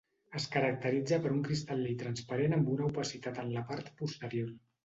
Es caracteritza per un cristal·lí transparent amb una opacitat en la part posterior.